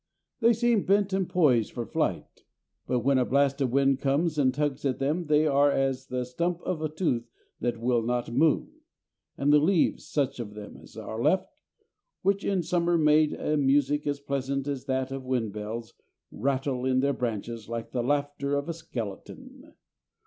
They seem bent and poised for flight, but when a blast of wind comes and tugs at them they are as the stump of a tooth that will not move, and the leaves (such of them as are left), which in summer made a music as pleasant as that of windbells, rattle in their branches like the laughter of a skeleton.